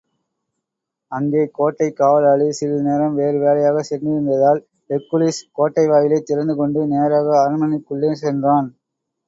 அங்கே கோட்டைக் காவலாளி சிறிது நேரம் வேறு வேலையாகச் சென்றிருந்ததால், ஹெர்க்குலிஸ் கோட்டைவாயிலைத் திறந்துகொண்டு, நேராக அரண்மனைக்குள்ளே சென்றான்.